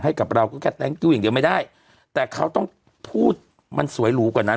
ให้กับเราก็แค่แง๊งตู้อย่างเดียวไม่ได้แต่เขาต้องพูดมันสวยหรูกว่านั้น